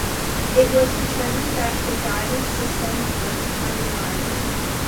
It was determined that the guidance system was unreliable.